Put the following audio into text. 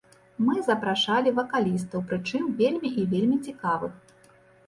Мы запрашалі вакалістаў, прычым, вельмі і вельмі цікавых!